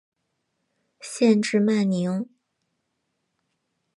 县治曼宁。